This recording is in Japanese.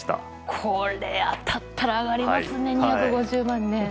これ当たったら上がりますね２５０万円。